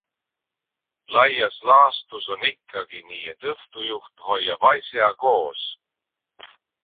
Laias laastus on ikkagi nii, et õhtujuht hoiab asja koos.